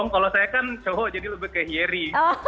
kalau saya kan cowok jadi lebih ke yeri